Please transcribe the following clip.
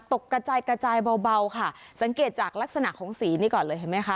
กระจายกระจายเบาค่ะสังเกตจากลักษณะของสีนี้ก่อนเลยเห็นไหมคะ